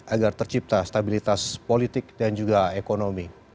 agar tercipta stabilitas politik dan juga ekonomi